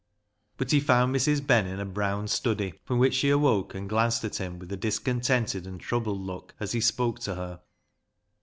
But he found Mrs. Ben in a brown study, from which she awoke and glanced at him with a discontented and troubled look as he spoke to her.